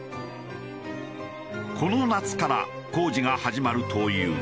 この夏から工事が始まるという。